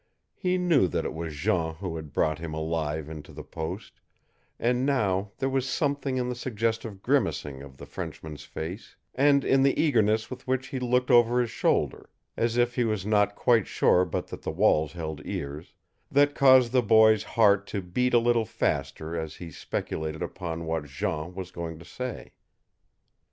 He knew that it was Jean who had brought him alive into the post, and now there was something in the suggestive grimacing of the Frenchman's face, and in the eagerness with which he looked over his shoulder, as if he was not quite sure but that the walls held ears, that caused the boy's heart to beat a little faster as he speculated upon what Jean was going to say.